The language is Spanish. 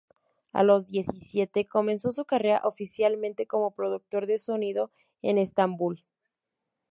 A los diecisiete, comenzó su carrera oficialmente como productor de sonido en Estambul.